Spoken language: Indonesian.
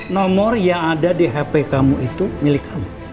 nomor yang ada di hp kamu itu milik kamu